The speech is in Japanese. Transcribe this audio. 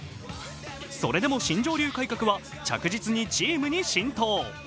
それでも新庄流改革は着実にチームに浸透。